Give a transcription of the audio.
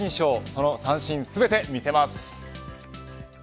その三振、全て見せます。